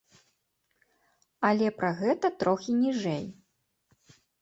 Але пра гэта трохі ніжэй.